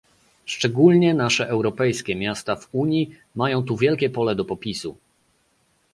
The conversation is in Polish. Szczególnie nasze europejskie miasta w Unii mają tu wielkie pole do popisu